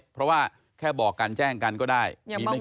เพราะว่าแค่บอกกันแจ้งกันก็ได้มีไม่กี่รูป